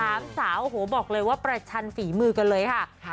สามสาวโอ้โหบอกเลยว่าประชันฝีมือกันเลยค่ะ